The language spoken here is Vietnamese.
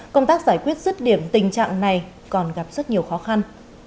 công tác giải quyết rứt điểm tình trạng này còn gặp rất nhiều khó khăn